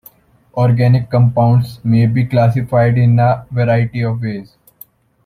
Organic compounds may be classified in a variety of ways.